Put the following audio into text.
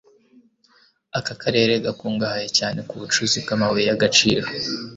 aka karere gakungahaye cyane ku bucukuzi bw'amabuye y'agaciro